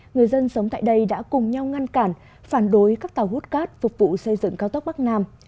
người dân sống tại đây đã cùng nhau ngăn cản phản đối các tàu hút cát phục vụ xây dựng cao tốc bắc nam